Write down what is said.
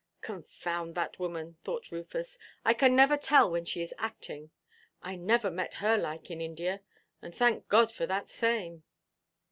"Confound that woman," thought Rufus, "I can never tell when she is acting. I never met her like in India. And thank God for that same."